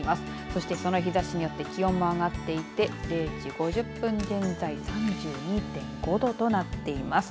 そしてその日ざしによって気温も上がっていて０時５０分現在３２．５度となっています。